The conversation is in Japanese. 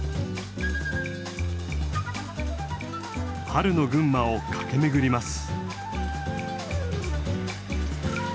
春の群馬を駆け巡ります。